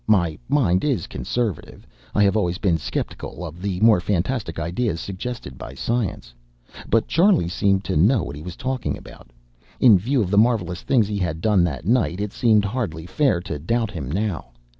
My mind is conservative; I have always been sceptical of the more fantastic ideas suggested by science. But Charlie seemed to know what he was talking about. In view of the marvelous things he had done that night, it seemed hardly fair to doubt him now.